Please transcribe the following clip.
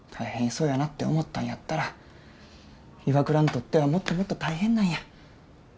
そうやなって思ったんやったら岩倉にとってはもっともっと大変なんや。